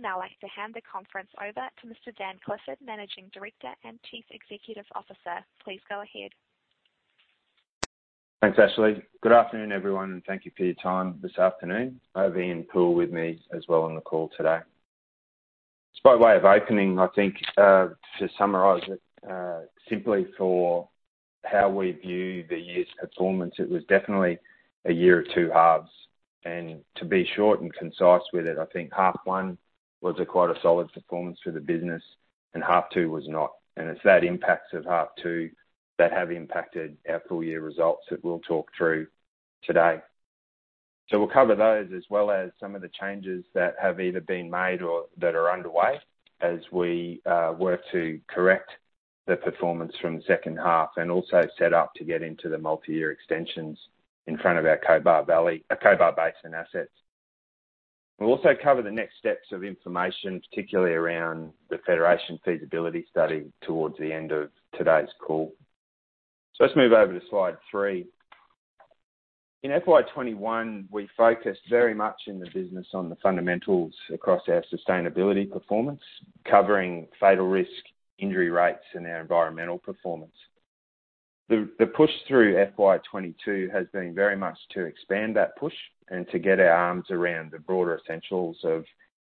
I would now like to hand the conference over to Mr. Dan Clifford, Managing Director and Chief Executive Officer. Please go ahead. Thanks, Ashley. Good afternoon, everyone, and thank you for your time this afternoon. I have Ian Poole with me as well on the call today. Just by way of opening, I think to summarize it simply for how we view the year's performance, it was definitely a year of two halves. To be short and concise with it, I think half one was a quite solid performance for the business and half two was not. It's that impacts of half two that have impacted our full year results that we'll talk through today. We'll cover those as well as some of the changes that have either been made or that are underway as we work to correct the performance from the second half and also set up to get into the multi-year extensions in front of our Cobar Basin assets. We'll also cover the next steps of information, particularly around the Federation Feasibility Study, towards the end of today's call. Let's move over to slide three. In FY2021, we focused very much in the business on the fundamentals across our sustainability performance, covering fatal risk, injury rates, and our environmental performance. The push through FY2022 has been very much to expand that push and to get our arms around the broader essentials of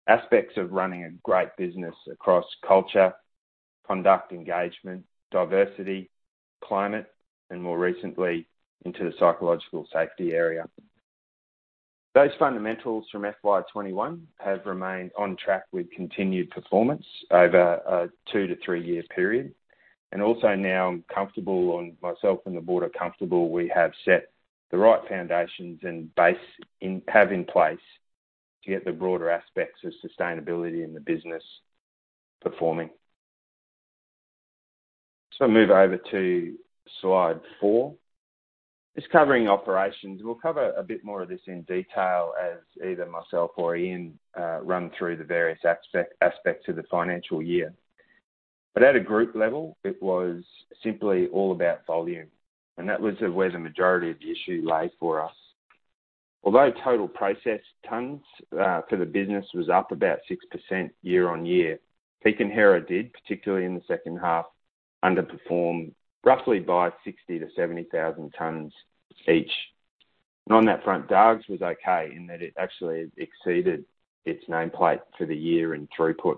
aspects of running a great business across culture, conduct, engagement, diversity, climate, and more recently into the psychological safety area. Those fundamentals from FY2021 have remained on track with continued performance over a two to three year period. Also now I'm comfortable and myself and the board are comfortable we have set the right foundations and base have in place to get the broader aspects of sustainability in the business performing. Move over to slide four. Just covering operations, and we'll cover a bit more of this in detail as either myself or Ian run through the various aspects of the financial year. At a group level, it was simply all about volume, and that was where the majority of the issue lay for us. Although total processed tons for the business was up about 6% year-on-year, Peak and Hera did, particularly in the second half, underperform roughly by 60,000-70,000 tons each. On that front, Dargues was okay in that it actually exceeded its nameplate for the year in throughput.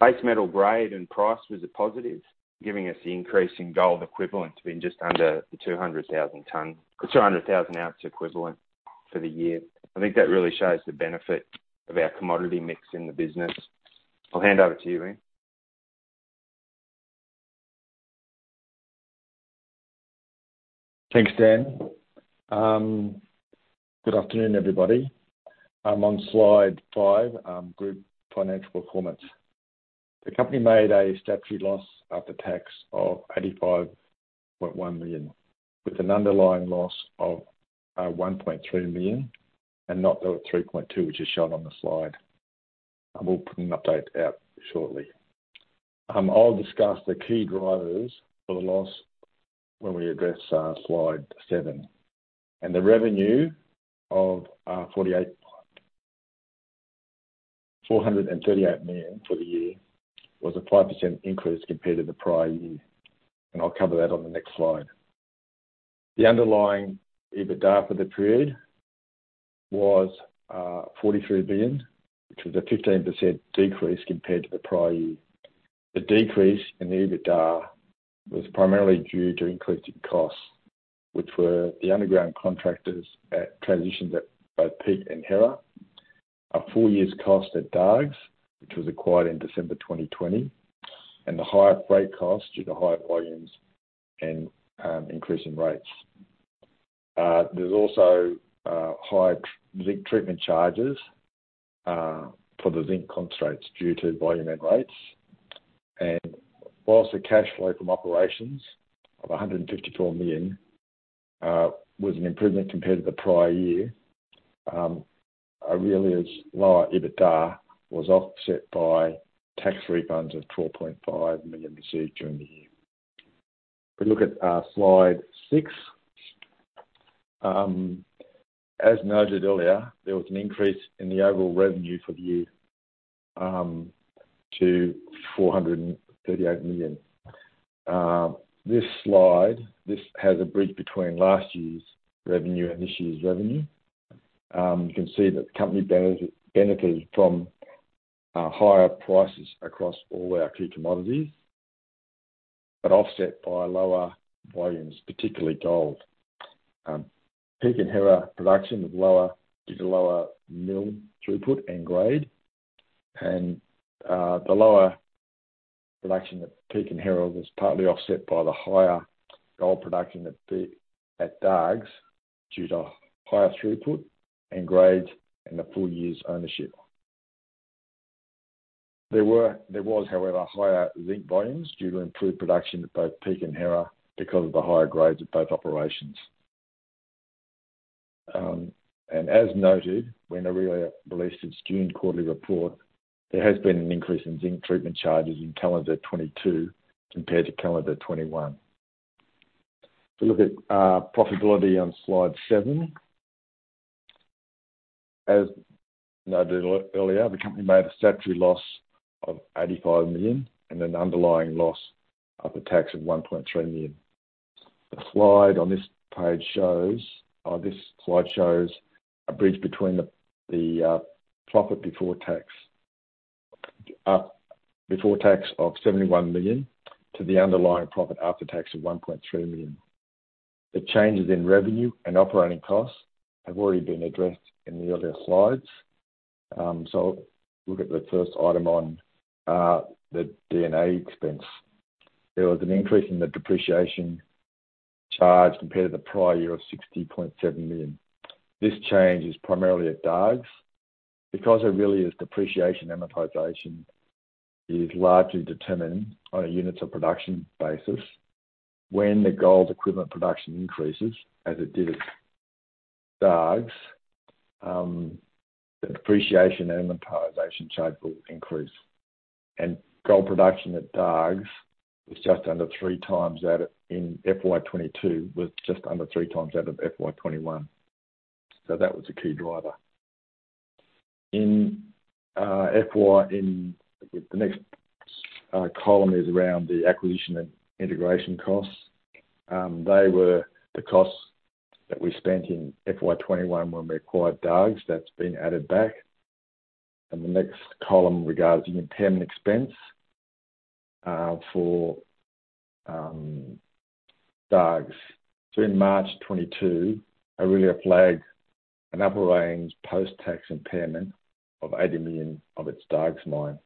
Base metal grade and price was a positive, giving us the increase in gold equivalent to being just under the 200,000 ounce equivalent for the year. I think that really shows the benefit of our commodity mix in the business. I'll hand over to you, Ian. Thanks, Dan. Good afternoon, everybody. On slide five, group financial performance. The company made a statutory loss after tax of 85.1 million, with an underlying loss of 1.3 million and not the 3.2, which is shown on the slide. I will put an update out shortly. I'll discuss the key drivers for the loss when we address slide seven. The revenue of 438 million for the year was a 5% increase compared to the prior year. I'll cover that on the next slide. The underlying EBITDA for the period was 43 million, which was a 15% decrease compared to the prior year. The decrease in the EBITDA was primarily due to increased costs, which were the underground contractors at transitions at both Peak and Hera, a full year's cost at Dargues, which was acquired in December 2020, and the higher freight costs due to higher volumes and increase in rates. There's also higher zinc treatment charges for the zinc concentrates due to volume and rates. While the cash flow from operations of 154 million was an improvement compared to the prior year, Aurelia's lower EBITDA was offset by tax refunds of 12.5 million received during the year. If we look at slide 6. As noted earlier, there was an increase in the overall revenue for the year to 438 million. This slide has a bridge between last year's revenue and this year's revenue. You can see that the company benefited from higher prices across all our key commodities, but offset by lower volumes, particularly gold. Peak and Hera production was lower due to lower mill throughput and grade. The lower production at Peak and Hera was partly offset by the higher gold production at Dargues due to higher throughput and grades and the full year's ownership. There was, however, higher zinc volumes due to improved production at both Peak and Hera because of the higher grades at both operations. As noted when Aurelia released its June quarterly report, there has been an increase in zinc treatment charges in calendar 2022 compared to calendar 2021. To look at profitability on slide seven. As I did earlier, the company made a statutory loss of 85 million and an underlying loss after tax of 1.3 million. This slide shows a bridge between the profit before tax of 71 million to the underlying profit after tax of 1.3 million. The changes in revenue and operating costs have already been addressed in the earlier slides. Look at the first item on the D&A expense. There was an increase in the depreciation charge compared to the prior year of 60.7 million. This change is primarily at Dargues. Because Aurelia's depreciation amortization is largely determined on a units of production basis. When the gold equivalent production increases, as it did at Dargues, the depreciation amortization charge will increase. Gold production at Dargues was just under 3x that of FY2021. That was a key driver. The next column is around the acquisition and integration costs. They were the costs that we spent in FY2021 when we acquired Dargues that's been added back. The next column regards the impairment expense for Dargues. In March 2022, Aurelia flagged an upper range post-tax impairment of 80 million of its Dargues mine.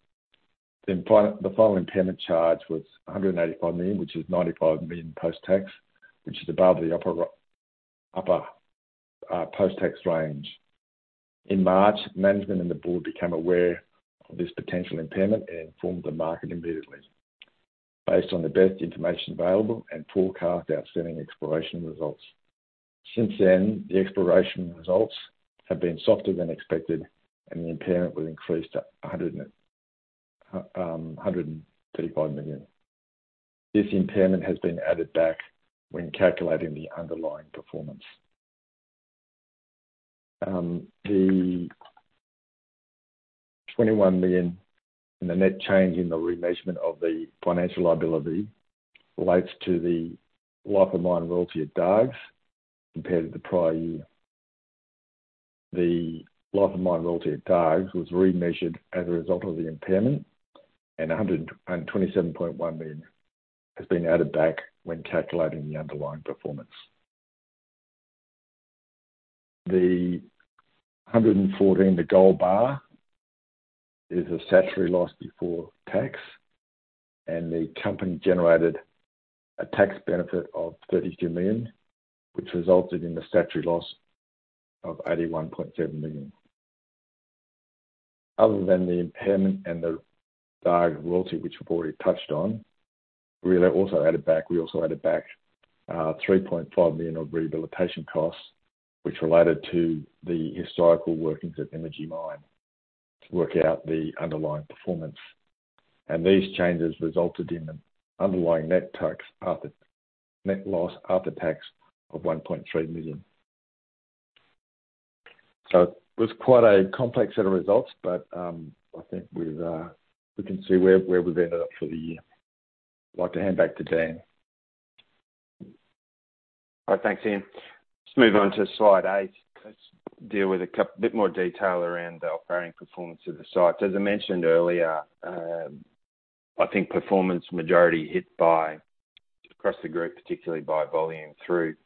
The final impairment charge was 185 million, which is 95 million post-tax, which is above the upper post-tax range. In March, management and the board became aware of this potential impairment and informed the market immediately based on the best information available and forecast outstanding exploration results. Since then, the exploration results have been softer than expected, and the impairment was increased to 135 million. This impairment has been added back when calculating the underlying performance. The 21 million and the net change in the remeasurement of the financial liability relates to the life of mine royalty at Dargues compared to the prior year. The life of mine royalty at Dargues was remeasured as a result of the impairment, and 127.1 million has been added back when calculating the underlying performance. The 114 million is a statutory loss before tax, and the company generated a tax benefit of 32 million, which resulted in the statutory loss of 81.7 million. Other than the impairment and the Dargues royalty, which we've already touched on, we also added back 3.5 million of rehabilitation costs, which related to the historical workings of Hera Mine to work out the underlying performance. These changes resulted in an underlying net loss after tax of 1.3 million. It was quite a complex set of results, but I think we can see where we've ended up for the year. I'd like to hand back to Dan. All right. Thanks, Ian. Let's move on to slide eight. Let's deal with a bit more detail around the operating performance of the sites. As I mentioned earlier, I think performance majority hit by across the group, particularly by volume throughput,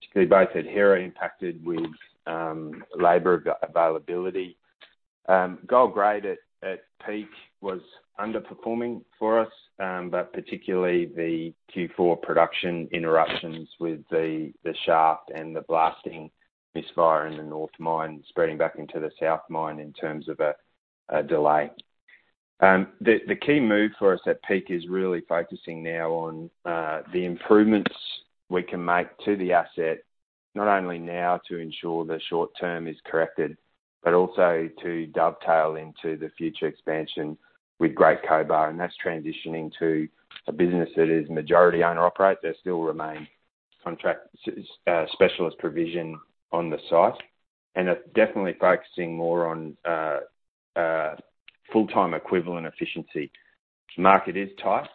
particularly both at Hera impacted with labor availability. Gold grade at Peak was underperforming for us, but particularly the Q4 production interruptions with the shaft and the blasting misfire in the north mine spreading back into the south mine in terms of a delay. The key move for us at Peak is really focusing now on the improvements we can make to the asset, not only now to ensure the short term is corrected, but also to dovetail into the future expansion with Great Cobar, and that's transitioning to a business that is majority owner operated. There still remain contract specialist provision on the site. It's definitely focusing more on full-time equivalent efficiency. Market is tight.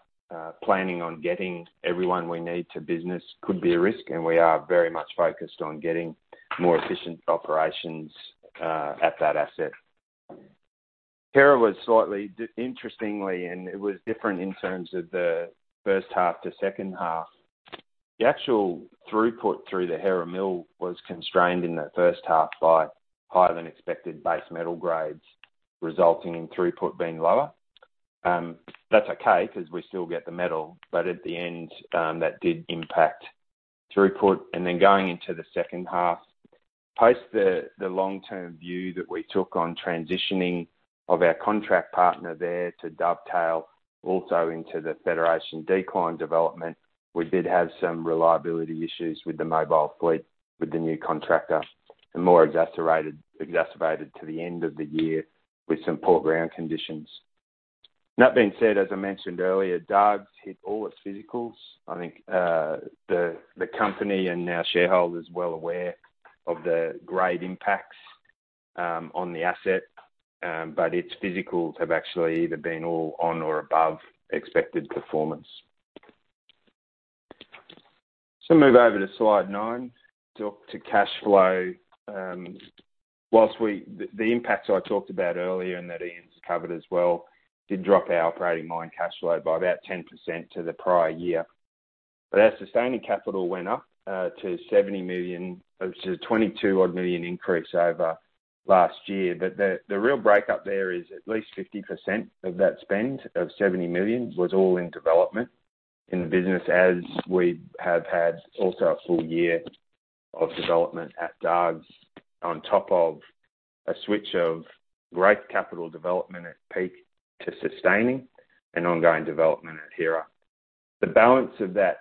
Planning on getting everyone we need. The business could be a risk, and we are very much focused on getting more efficient operations at that asset. Hera was slightly different, interestingly, and it was different in terms of the first half to second half. The actual throughput through the Hera mill was constrained in the first half by higher than expected base metal grades, resulting in throughput being lower. That's okay, 'cause we still get the metal, but at the end, that did impact throughput. Then going into the second half, post the long-term view that we took on transitioning of our contract partner there to dovetail also into the Federation decline development, we did have some reliability issues with the mobile fleet, with the new contractor, and more exacerbated to the end of the year with some poor ground conditions. That being said, as I mentioned earlier, Dargues hit all its physicals. I think, the company and our shareholders are well aware of the grade impacts on the asset, but its physicals have actually either been all on or above expected performance. Move over to slide nine. Talk to cash flow. Whilst the impacts I talked about earlier and that Ian's covered as well did drop our operating mine cash flow by about 10% to the prior year. Our sustaining capital went up to 70 million, which is a 22 odd million increase over last year. The real breakdown there is at least 50% of that spend of 70 million was all in development in the business, as we have had also a full year of development at Dargues on top of a switch of growth capital development at Peak to sustaining and ongoing development at Hera. The balance of that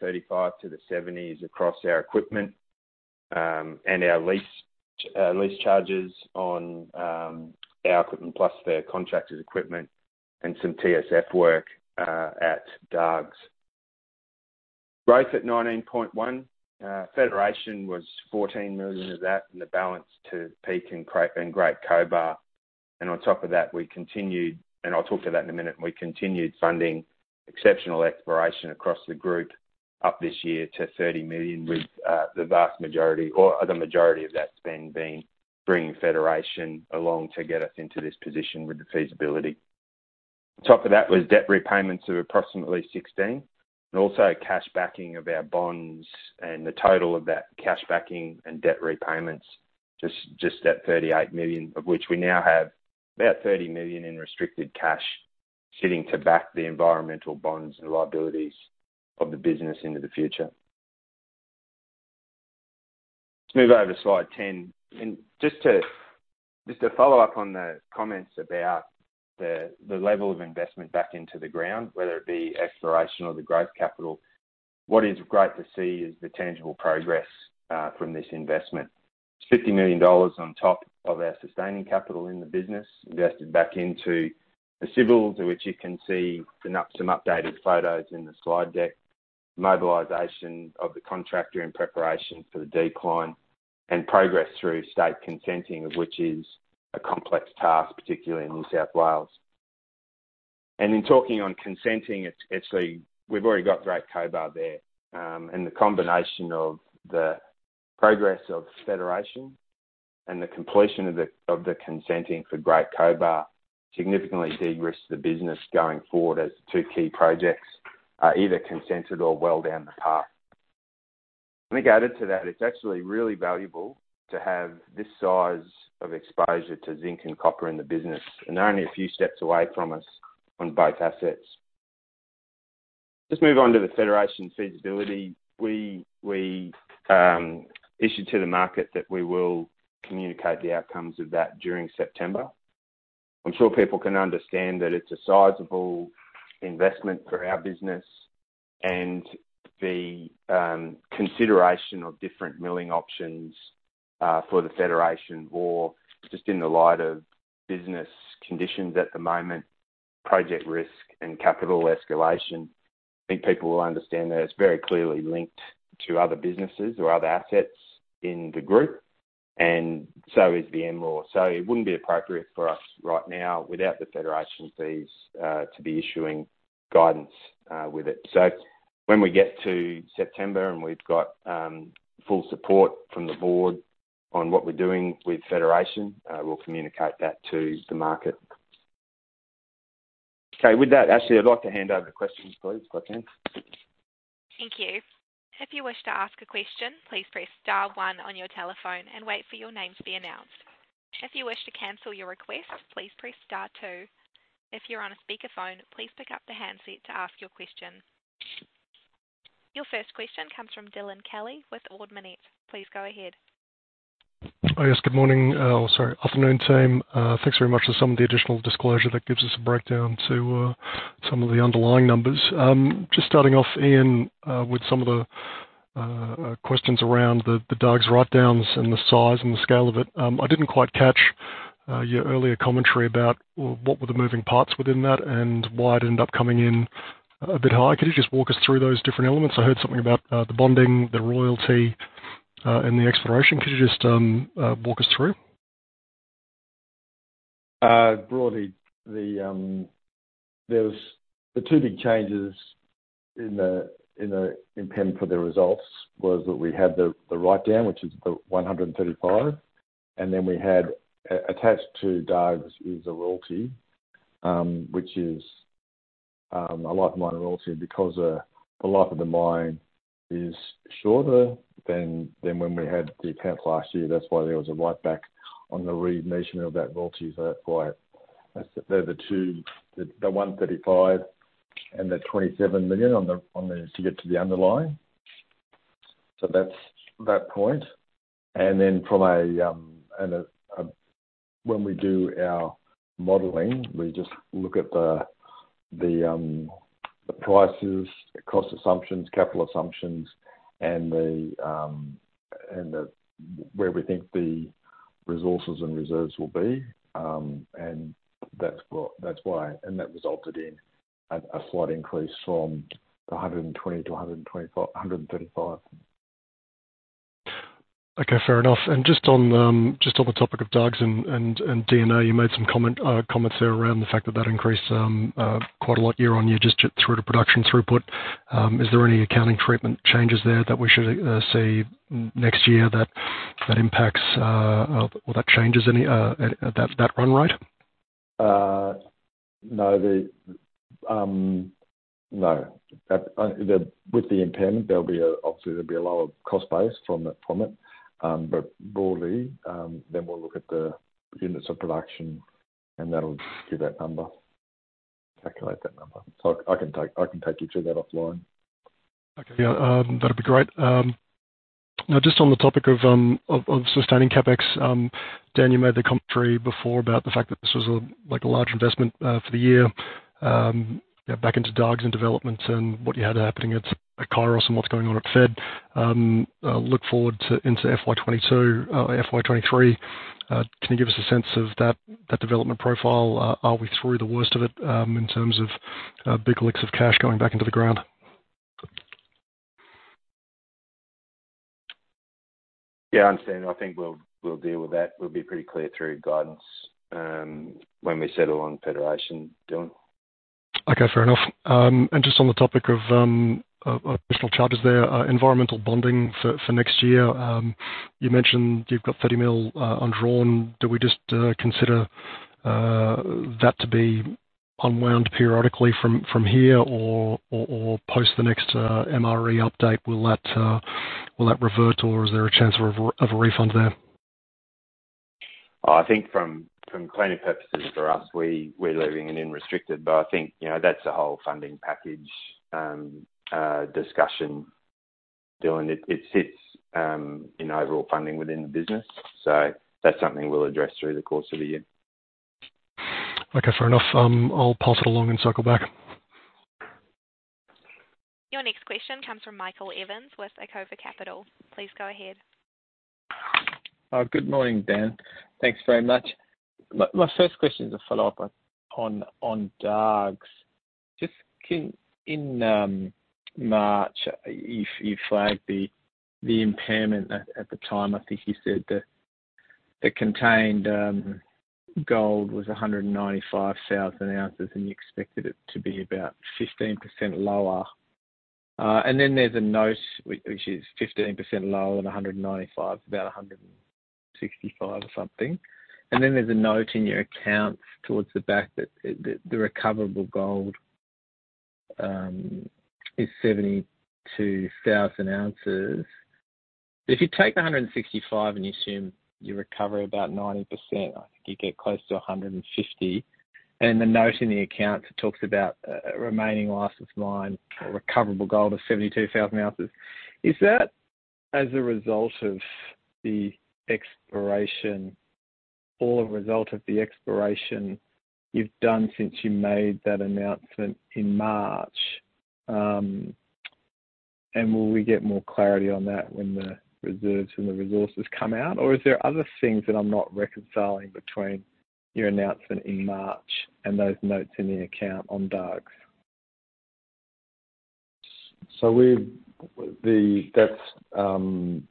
35 to the 70 is across our equipment and our lease charges on our equipment, plus the contracted equipment and some TSF work at Dargues. Growth at 19.1 million. Federation was 14 million of that and the balance to Peak and Great Cobar. On top of that, we continued, and I'll talk to that in a minute, we continued funding exceptional exploration across the group up this year to 30 million with the vast majority or the majority of that spend being bringing Federation along to get us into this position with the feasibility. On top of that was debt repayments of approximately 16 million and also cash backing of our bonds and the total of that cash backing and debt repayments, just that 38 million of which we now have about 30 million in restricted cash sitting to back the environmental bonds and liabilities of the business into the future. Let's move over to slide 10. Just to follow up on the comments about the level of investment back into the ground, whether it be exploration or the growth capital. What is great to see is the tangible progress from this investment. 50 million dollars on top of our sustaining capital in the business invested back into the civils, in which you can see some updated photos in the slide deck, mobilization of the contractor in preparation for the decline and progress through state consenting, which is a complex task, particularly in New South Wales. In talking on consenting, we've already got Great Cobar there. The combination of the progress of Federation and the completion of the consenting for Great Cobar significantly de-risks the business going forward as two key projects are either consented or well down the path. I think added to that, it's actually really valuable to have this size of exposure to zinc and copper in the business, and they're only a few steps away from us on both assets. Let's move on to the Federation feasibility. We issued to the market that we will communicate the outcomes of that during September. I'm sure people can understand that it's a sizeable investment for our business and the consideration of different milling options for the Federation ore, just in the light of business conditions at the moment, project risk and capital escalation. I think people will understand that it's very clearly linked to other businesses or other assets in the group, and so is the Hera. It wouldn't be appropriate for us right now without the Federation feasibility to be issuing guidance with it. When we get to September and we've got full support from the board on what we're doing with Federation, we'll communicate that to the market. Okay, with that, Ashley, I'd like to hand over to questions, please. Go ahead. Thank you. If you wish to ask a question, please press star one on your telephone and wait for your name to be announced. If you wish to cancel your request, please press star two. If you're on a speakerphone, please pick up the handset to ask your question. Your first question comes from Dylan Kelly with Ord Minnett. Please go ahead. Oh, yes. Good morning, or sorry, afternoon, team. Thanks very much for some of the additional disclosure that gives us a breakdown to some of the underlying numbers. Just starting off, Ian, with some of the questions around the Dargues write-downs and the size and the scale of it. I didn't quite catch your earlier commentary about, well, what were the moving parts within that and why it ended up coming in a bit high. Could you just walk us through those different elements? I heard something about the bonding, the royalty, and the exploration. Could you just walk us through? Broadly, there were the two big changes in the impairment for the results. That was that we had the write-down, which is the 135 million, and then we had attached to Dargues is a royalty, which is a life of mine royalty. Because the life of the mine is shorter than when we had the account last year. That's why there was a writeback on the remeasurement of that royalty. That's why. That's it. They're the two, the 135 and the 27 million on the to get to the underlying. That's that point. Then from a and a when we do our modeling, we just look at the The prices, cost assumptions, capital assumptions, and where we think the resources and reserves will be. That's why. That resulted in a slight increase from 120-125-135. Okay, fair enough. Just on the topic of Dargues and D&A, you made some comments there around the fact that increased quite a lot year-over-year just through to production throughput. Is there any accounting treatment changes there that we should see next year that impacts or that changes any that run rate? No. With the impairment, there'll obviously be a lower cost base from it. Broadly, we'll look at the units of production and that'll give that number, calculate that number. I can take you through that offline. Okay. Yeah. That'd be great. Now just on the topic of sustaining CapEx, Dan, you made the commentary before about the fact that this was a like a large investment for the year, yeah, back into Dargues and development and what you had happening at Kairos and what's going on at Fed. Look forward to into FY2022, FY2023. Can you give us a sense of that development profile? Are we through the worst of it in terms of big leaks of cash going back into the ground? Yeah, I understand. I think we'll deal with that. We'll be pretty clear through guidance, when we settle on Federation, Dylan. Okay, fair enough. Just on the topic of additional charges there, environmental bonding for next year, you mentioned you've got 30 million undrawn. Do we just consider that to be unwound periodically from here or post the next MRE update? Will that revert or is there a chance of a refund there? I think from planning purposes for us, we're leaving it in restricted, but I think, you know, that's a whole funding package, discussion, Dylan. It sits in overall funding within the business. That's something we'll address through the course of the year. Okay, fair enough. I'll pass it along and circle back. Your next question comes from Michael Evans with Acova Capital. Please go ahead. Good morning, Dan. Thanks very much. My first question is a follow-up on Dargues. Just in March, you flagged the impairment at the time. I think you said that the contained gold was 195,000 ounces, and you expected it to be about 15% lower. Then there's a note which is 15% lower than 195, it's about 165 or something. Then there's a note in your accounts towards the back that the recoverable gold is 72,000 ounces. If you take the 165 and you assume you recover about 90%, I think you get close to 150. The note in the accounts, it talks about a remaining life of mine or recoverable gold of 72,000 ounces. Is that as a result of the exploration or a result of the exploration you've done since you made that announcement in March? Will we get more clarity on that when the reserves and the resources come out? Or is there other things that I'm not reconciling between your announcement in March and those notes in the account on Dargues? That's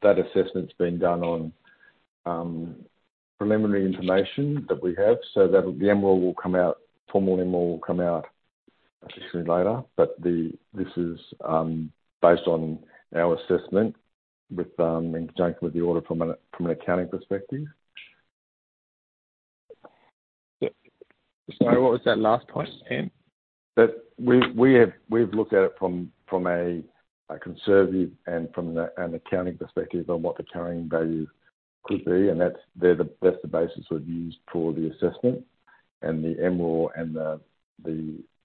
that assessment's been done on preliminary information that we have so that the MRE will come out, formal MRE will come out a bit later. This is based on our assessment with in conjunction with the audit from an accounting perspective. Sorry, what was that last point, Dan? That we've looked at it from a conservative and from an accounting perspective on what the carrying value could be, and that's the basis we've used for the assessment. The MRE and the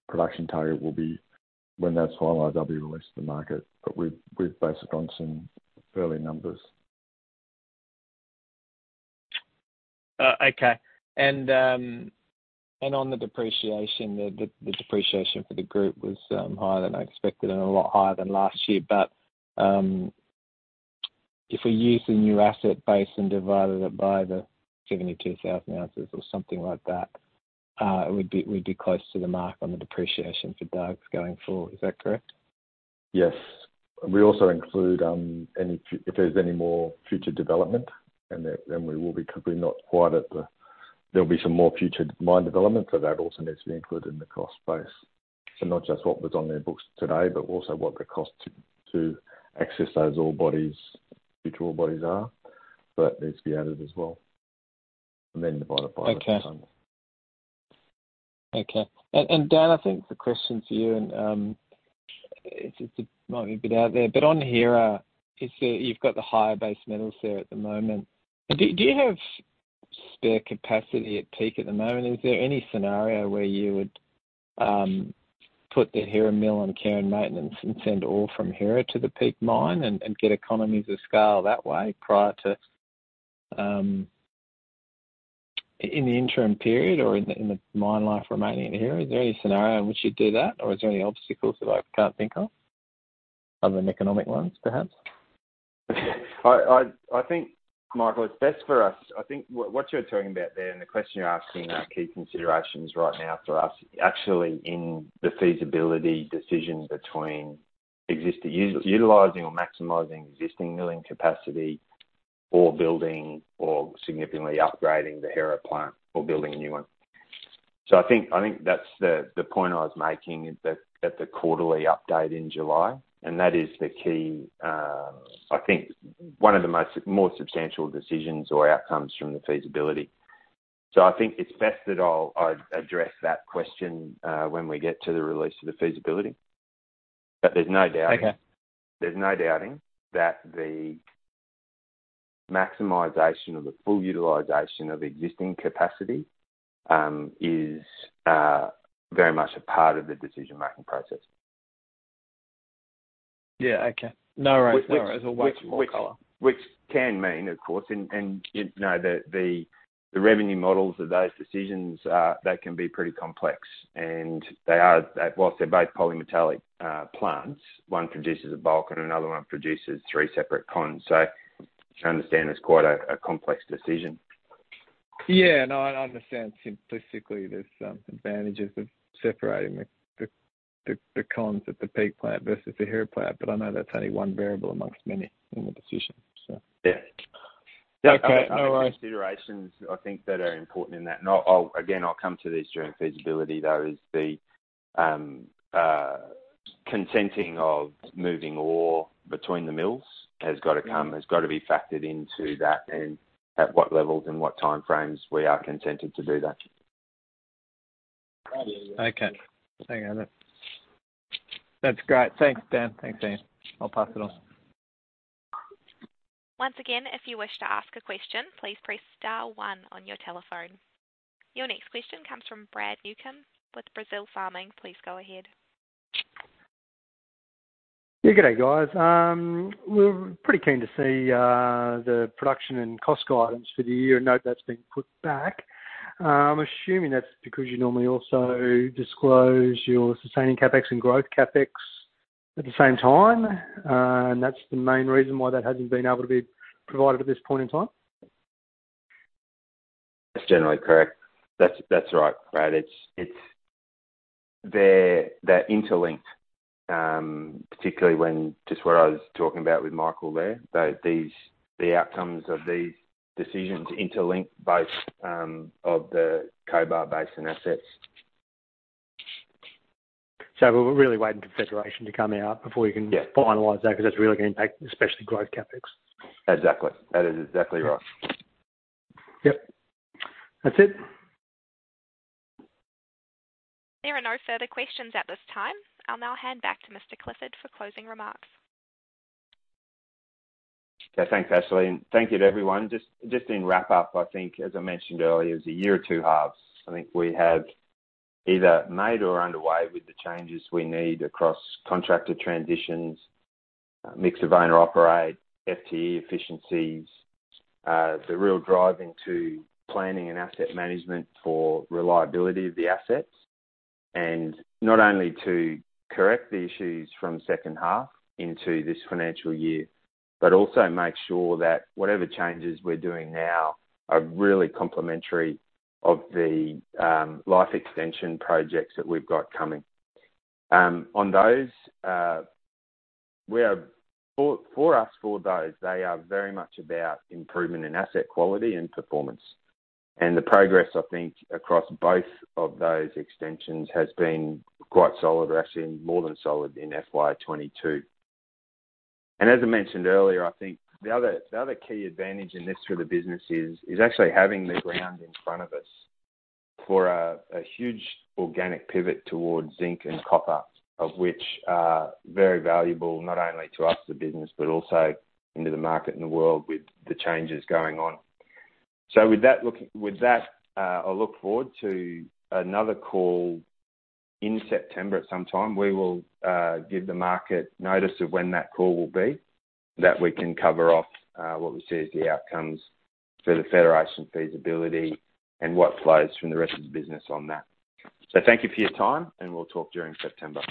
production target will be, when that's finalized, that'll be released to the market. We've based it on some early numbers. Okay. On the depreciation for the group was higher than I expected and a lot higher than last year. If we use the new asset base and divide it by the 72,000 ounces or something like that, we'd be close to the mark on the depreciation for Dargues going forward. Is that correct? Yes. We also include if there's any more future development. There'll be some more future mine development, so that also needs to be included in the cost base. Not just what was on their books today, but also what the cost to access those ore bodies, future ore bodies are. That needs to be added as well, then divide it by the. Okay. Dan, I think the question to you, it might be a bit out there, but on Hera, you've got the higher base metals there at the moment. Do you have spare capacity at Peak at the moment? Is there any scenario where you would put the Hera mill on care and maintenance and send ore from Hera to the Peak mine and get economies of scale that way. In the interim period or in the mine life remaining here, is there any scenario in which you'd do that? Or is there any obstacles that I can't think of other than economic ones, perhaps? I think, Michael, it's best for us. I think what you're talking about there and the question you're asking are key considerations right now for us, actually in the feasibility decision between utilizing or maximizing existing milling capacity or building or significantly upgrading the Hera plant or building a new one. I think that's the point I was making is at the quarterly update in July, and that is the key, I think one of the more substantial decisions or outcomes from the feasibility. I think it's best that I'll address that question when we get to the release of the feasibility. There's no doubting. Okay. There's no doubting that the maximization or the full utilization of existing capacity is very much a part of the decision-making process. Yeah. Okay. No worries. I'll wait for more color. Which can mean, of course, and you know, the revenue models of those decisions are, they can be pretty complex. They are whilst they're both polymetallic plants, one produces a bulk and another one produces three separate cons. I understand it's quite a complex decision. No, I understand simplistically, there's some advantages of separating the cons at the Peak plant versus the Hera plant, but I know that's only one variable among many in the decision. Yeah. Okay. No worries. Other considerations I think that are important in that, and I'll again come to these during feasibility, though, is the consenting of moving ore between the mills has gotta be factored into that and at what levels and what timeframes we are consented to do that. Okay. Hang on. That's great. Thanks, Dan. I'll pass it on. Once again, if you wish to ask a question, please press star one on your telephone. Your next question comes from Franklyn Brazil with Brazil Farming Pty Ltd. Please go ahead. Yeah. Good day, guys. We're pretty keen to see the production and cost guidance for the year. Note that's been put back. I'm assuming that's because you normally also disclose your sustaining CapEx and growth CapEx at the same time, and that's the main reason why that hasn't been able to be provided at this point in time. That's generally correct. That's right, Brad. They're interlinked, particularly when just what I was talking about with Michael there. These outcomes of these decisions interlink both of the Cobar Basin assets. We're really waiting for Federation to come out before you can- Yeah. Finalize that because that's really gonna impact, especially growth CapEx. Exactly. That is exactly right. Yep. That's it. There are no further questions at this time. I'll now hand back to Mr. Clifford for closing remarks. Yeah. Thanks, Ashley, and thank you to everyone. Just in wrap up, I think as I mentioned earlier, it was a year or two halves. I think we have either made or are underway with the changes we need across contracted transitions, a mix of own or operate, FTE efficiencies, the real drive into planning and asset management for reliability of the assets, and not only to correct the issues from second half into this financial year but also make sure that whatever changes we're doing now are really complementary of the life extension projects that we've got coming. On those, for us, for those, they are very much about improvement in asset quality and performance. The progress, I think, across both of those extensions has been quite solid or actually more than solid in FY22. As I mentioned earlier, I think the other key advantage in this for the business is actually having the ground in front of us for a huge organic pivot towards zinc and copper, of which are very valuable not only to us, the business, but also into the market and the world with the changes going on. With that, I look forward to another call in September at some time. We will give the market notice of when that call will be, that we can cover off what we see as the outcomes for the Federation feasibility and what flows from the rest of the business on that. Thank you for your time, and we'll talk during September.